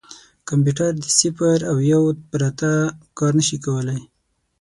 کمپیوټر د صفر او یو پرته کار نه شي کولای.